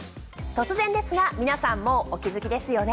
突然ですが皆さんもうお気付きですよね。